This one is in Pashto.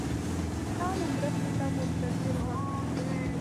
سیکهانو مرستې ته منتظر ول.